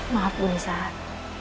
maaf bun saat